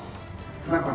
tidak ada perdagangan bebas